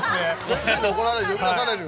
先生に怒られる呼び出されるよ。